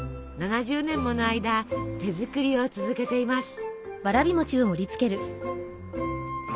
７０年もの間手作りを続けています。